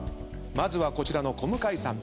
まずはこちらの小向さん。